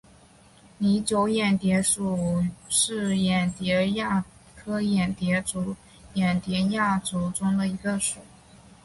拟酒眼蝶属是眼蝶亚科眼蝶族眼蝶亚族中的一个属。